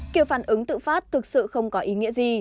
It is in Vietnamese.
kiểu phản ứng tự phát thực sự không có ý nghĩa gì